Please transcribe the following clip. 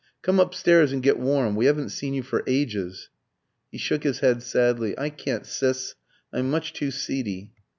Come upstairs and get warm; we haven't seen you for ages." He shook his head sadly. "I can't, Sis, I'm much too seedy."